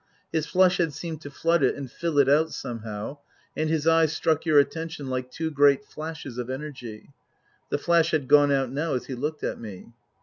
His flush had seemed to flood it and fill it out somehow, and his eyes struck your attention like two great flashes of energy. The flash had gone out now as he looked at me.